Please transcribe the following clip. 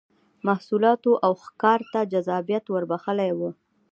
محصولاتو او ښکار ته جذابیت ور بخښلی و